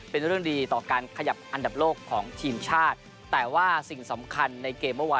เป็นเรื่องดีต่อการขยับอันดับโลกของทีมชาติแต่ว่าสิ่งสำคัญในเกมเมื่อวาน